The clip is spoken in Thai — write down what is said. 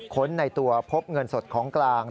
คนในตัวพบเงินสดของกลาง